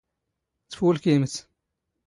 ⵜⴼⵓⵍⴽⵉⵎⵜ.